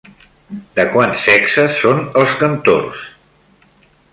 De quants sexes són els cantors?